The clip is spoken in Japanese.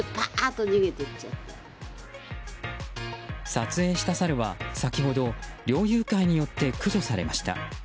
撮影したサルは先ほど猟友会によって駆除されました。